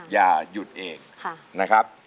อย่าหยุดเองนะครับ